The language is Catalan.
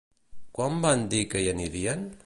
Quan van dir que hi anirien?